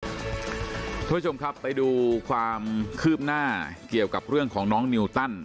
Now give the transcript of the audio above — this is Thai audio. คุณผู้ชมครับไปดูความคืบหน้าเกี่ยวกับเรื่องของน้องนิวตัน